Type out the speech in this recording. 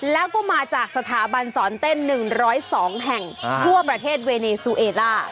แล้วก็มาจากสถาบันสอนเต้น๑๐๒แห่งทั่วประเทศเวเนซูเอล่า